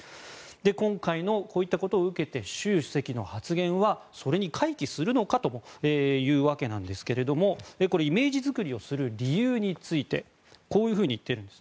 今回のこういったことを受けて習主席の発言はそれに回帰するのかというわけなんですがイメージづくりをする理由についてこういうふうに言っているんです。